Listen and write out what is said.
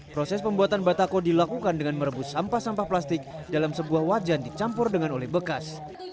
proses pembuatan batako dilakukan dengan merebus sampah sampah plastik dalam sebuah wajan dicampur dengan oleh bekas